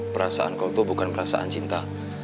perasaan kalau itu bukan perasaan cinta